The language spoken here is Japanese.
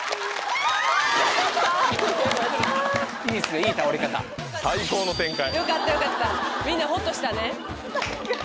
いいっすねいい倒れ方よかったよかったみんなホッとしたね